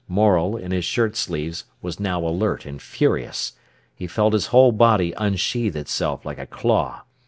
Morel, in his shirt sleeves, was now alert and furious. He felt his whole body unsheath itself like a claw.